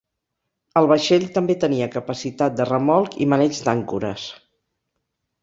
El vaixell també tenia capacitat de remolc i maneig d'àncores.